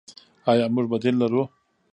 آیا موږ بدیل لرو؟